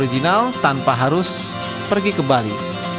original tanpa harus pergi ke bali